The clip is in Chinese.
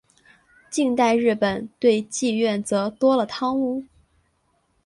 近代日本对妓院则多了汤屋。